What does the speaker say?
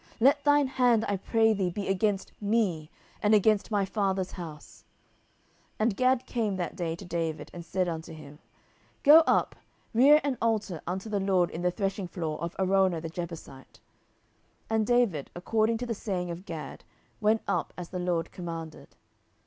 let thine hand, I pray thee, be against me, and against my father's house. 10:024:018 And Gad came that day to David, and said unto him, Go up, rear an altar unto the LORD in the threshingfloor of Araunah the Jebusite. 10:024:019 And David, according to the saying of Gad, went up as the LORD commanded.